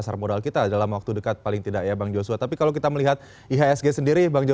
semuatan kepada sasaran aset ya sehingga